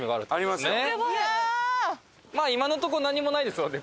まあ今のところ何もないですよね